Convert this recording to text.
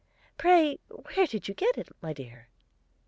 'Pray where did you get it, my dear?'